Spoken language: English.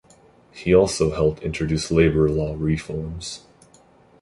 He also helped introduce labor law reforms.